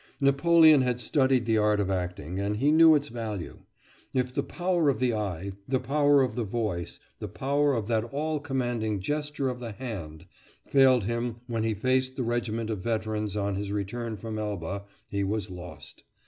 Napoleon had studied the art of acting, and he knew its value. If the power of the eye, the power of the voice, the power of that all commanding gesture of the hand, failed him when he faced the regiment of veterans on his return from Elba, he was lost.